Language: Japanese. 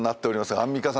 アンミカさん